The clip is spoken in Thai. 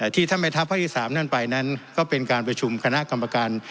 ที่ธรรมดาภาคที่สามนั้นไปนั้นก็เป็นการประชุมคณะกรรมการ